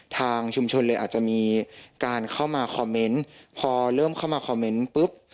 ทางชุมชนเลยอาจจะมีการเข้ามาคอมเมนต์พอเริ่มเข้ามาคอมเมนต์ปุ๊บ